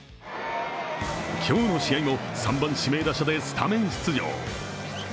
今日の試合も３番・指名打者でスタメン出場。